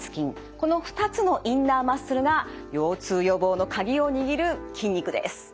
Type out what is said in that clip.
この２つのインナーマッスルが腰痛予防の鍵を握る筋肉です。